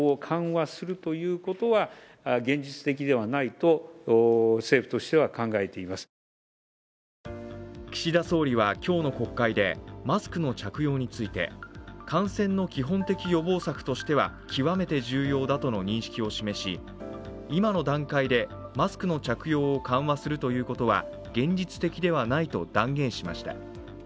一方、日本では岸田総理は今日の国会で、マスクの着用について感染の基本的予防策としては極めて重要だとの認識を示し今の段階でマスクの着用を緩和するということは現実的ではないと断言しました。